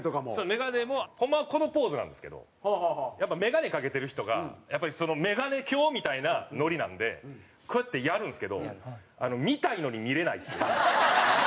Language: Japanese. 眼鏡もホンマはこのポーズなんですけどやっぱ眼鏡かけてる人が眼鏡教みたいなノリなんでこうやってやるんですけど見たいのに見れないっていう。